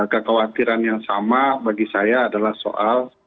kekhawatiran yang sama bagi saya adalah soal